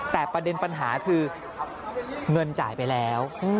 แต่ประเด็นปัญหาคือเงินจ่ายไปแล้ว